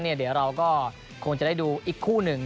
เดี๋ยวเราก็คงจะได้ดูอีกคู่หนึ่ง